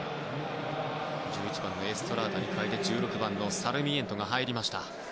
１１番のエストラーダに代えて１６番のサルミエントが入りました。